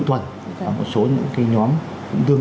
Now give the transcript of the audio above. tuần và một số những cái nhóm cũng tương